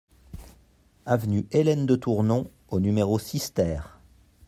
Avenue Hélène de Tournon au numéro six TER